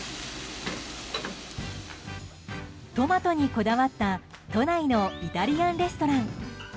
トマトにこだわった都内のイタリアンレストラン。